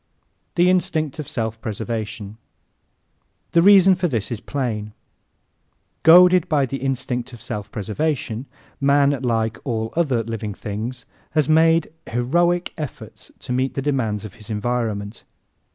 The Instinct of Self Preservation ¶ The reason for this is plain. Goaded by the instinct of self preservation, man, like all other living things, has made heroic efforts to meet the demands of his environment.